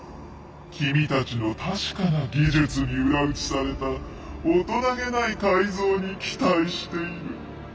君たちの確かな技術に裏打ちされた大人げない改造に期待している。